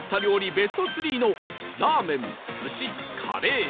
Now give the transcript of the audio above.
ベスト３のラーメン寿司カレー